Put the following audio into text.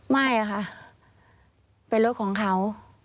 ไม่ค่ะเป็นรถของเขา